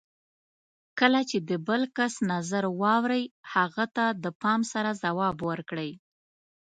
کله چې د بل کس نظر واورئ، هغه ته د پام سره ځواب ورکړئ.